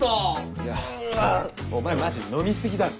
いやお前マジ飲み過ぎだろ。